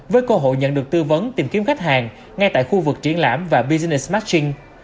với cơ hội nhận được tư vấn tìm kiếm khách hàng ngay tại khu vực triển lãm và business matting